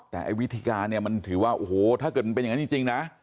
แต่ไอ้วิธีการเนี่ยมันถือว่าโอ้โหถ้าเกิดมันเป็นอย่างนั้นจริงนะ